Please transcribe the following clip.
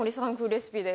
レシピで。